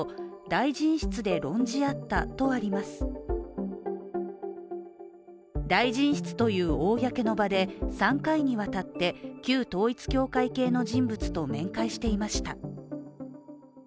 大臣室という公の場で３回にわたって旧統一教会系の人物と面会していました。